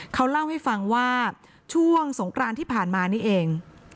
เขาเล่าให้ฟังว่าช่วงสงกรานที่ผ่านมานี่เอง